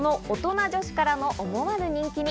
その大人女子からの思わぬ人気に。